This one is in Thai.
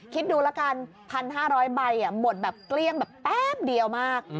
คิดดูละกัน๑๕๐๐ใบหมดแบบเกลี้ยงแบบแป๊บเดียวมาก